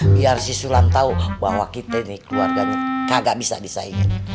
biar si sulan tahu bahwa kita ini keluarganya kagak bisa disaingin